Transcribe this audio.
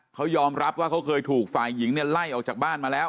เขายอมรับว่าเขาเคยถูกฝ่ายหญิงเนี่ยไล่ออกจากบ้านมาแล้ว